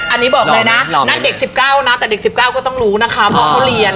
อันนี้บอกเลยนะนั่นเด็ก๑๙นะแต่เด็ก๑๙ก็ต้องรู้นะคะเพราะเขาเรียน